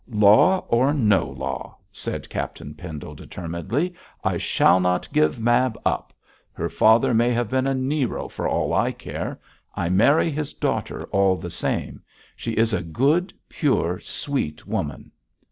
'Law or no law!' said Captain Pendle, determinedly, 'I shall not give Mab up. Her father may have been a Nero for all I care. I marry his daughter all the same; she is a good, pure, sweet woman.'